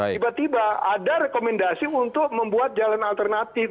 tiba tiba ada rekomendasi untuk membuat jalan alternatif